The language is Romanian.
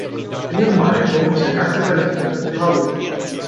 Prin urmare, vom încerca să clarificăm câteva lucruri.